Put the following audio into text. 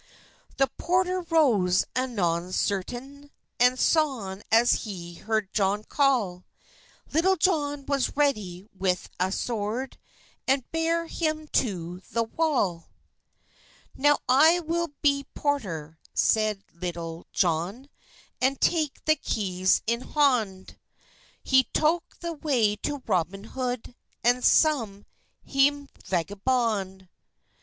The portere rose anon sertan, As sone as he herd John calle; Litul Johne was redy with a swerd, And bare hym to the walle. "Now will I be porter," seid Litul Johne, "And take the keyes in honde;" He toke the way to Robyn Hode, And sone he hym vnbonde.